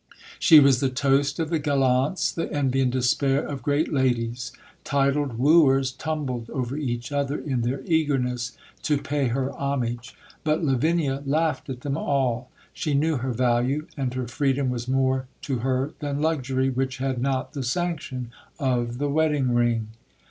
She was the toast of the gallants, the envy and despair of great ladies. Titled wooers tumbled over each other in their eagerness to pay her homage; but Lavinia laughed at them all. She knew her value; and her freedom was more to her than luxury which had not the sanction of the wedding ring.